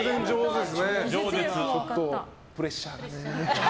ちょっとプレッシャーがね。